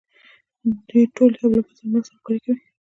دوی ټول یو له بل سره مرسته او همکاري کوي.